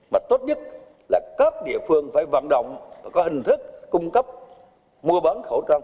mà tốt nhất là các địa phương phải vận động và có hình thức cung cấp mua bán khẩu trang